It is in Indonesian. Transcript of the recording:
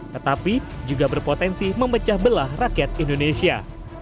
tetapi juga berpotensi memecah belah rakyat indonesia